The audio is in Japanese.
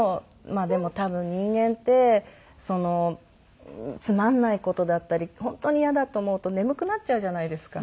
まあでも多分人間ってつまんない事だったり本当に嫌だと思うと眠くなっちゃうじゃないですか。